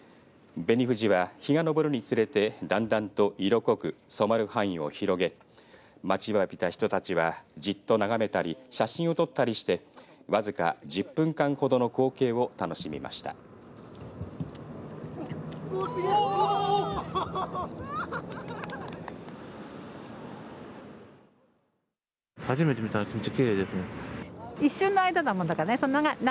紅富士は日が昇るにつれてだんだんと色濃く染まる範囲を広げ待ちわびた人たちはじっと眺めたり写真を撮ったりして僅か１０分間ほどの光景を楽しみました。